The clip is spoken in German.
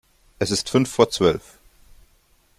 Es ist fünf vor zwölf.